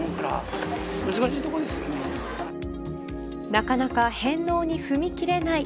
なかなか返納に踏み切れない。